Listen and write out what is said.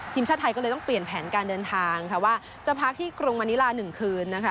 ทีมชาติไทยก็เลยต้องเปลี่ยนแผนการเดินทางค่ะว่าจะพักที่กรุงมณิลา๑คืนนะคะ